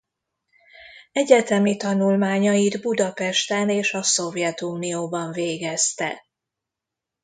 Egyetemi tanulmányait Budapesten és a Szovjetunióban végezte.